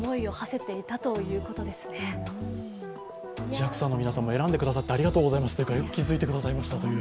ＪＡＸＡの皆さんも選んでくださってありがとうございます、よく気づいてくださいましたという。